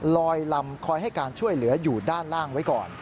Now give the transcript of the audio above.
ลอยลำคอยให้การช่วยเหลืออยู่ด้านล่างไว้ก่อน